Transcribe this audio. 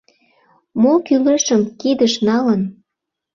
Мо кӱлешым кидыш налын